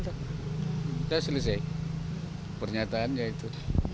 ya selesai pernyataannya itu